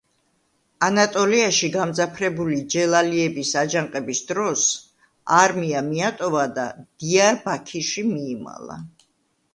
ანატოლიაში გამძაფრებული ჯელალიების აჯანყების დროს არმია მიატოვა და დიარბაქირში მიიმალა.